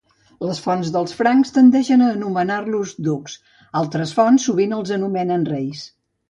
Les fonts dels francs tendeixen a anomenar-los ducs; altres fonts sovint els anomenen reis.